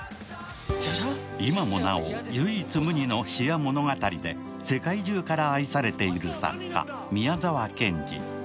今もなお唯一無二の詩や物語で世界中から愛されている作家、宮沢賢治。